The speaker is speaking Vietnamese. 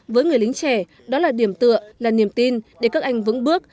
với người lính trẻ đó là điểm tựa là niềm tin để các anh vững bước